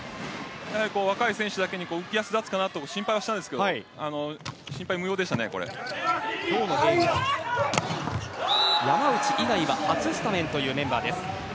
若い選手だけに浮足立つかなと心配したんですけれど山内以外は初スタメンというメンバーです。